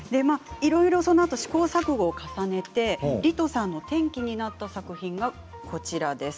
いろいろ試行錯誤を重ねてリトさんの転機になった作品がこちらです。